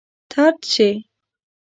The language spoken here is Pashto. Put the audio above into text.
طرد شي.